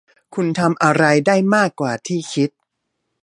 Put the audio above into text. คุณทำอะไรได้มากกว่าที่คิด